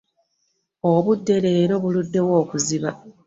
Obudde leero buluddewo okuziba.